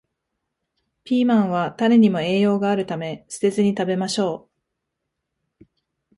ピーマンは種にも栄養があるため、捨てずに食べましょう